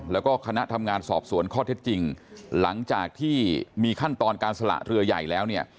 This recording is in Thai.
แล้วก็คณะทำงานสอบสวนข้อเท็จจริงหลังจากที่มีขั้นตอนการสละเรือใหญ่แล้วเนี่ย